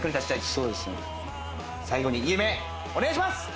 最後に夢お願いします。